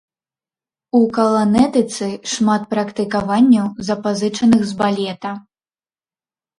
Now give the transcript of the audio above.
У каланэтыцы шмат практыкаванняў, запазычаных з балета.